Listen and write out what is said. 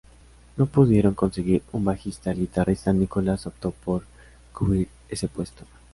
No pudiendo conseguir un bajista, el guitarrista Nicolas optó por cubrir ese puesto.